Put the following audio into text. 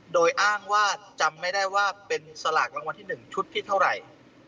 โดยอ้างว่าจำไม่ได้ว่าเป็นสลากรางวัลที่๑ชุดที่เท่าไหร่